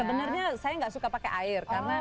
sebenarnya saya gak suka pakai air